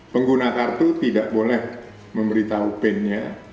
pengguna kartu tidak boleh memberitahu pin nya